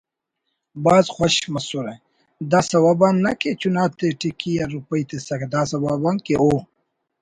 بھاز خوش مسرہ (داسوب آن نہ کہ چناتے ٹکی یا روپئی تسکہ داسوب آن‘کہ او